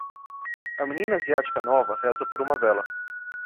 A menina asiática nova reza por uma vela.